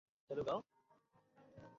আমরা আগামীদিনের যোদ্ধা।